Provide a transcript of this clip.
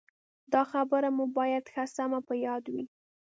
دا خبره مو باید ښه سمه په یاد وي.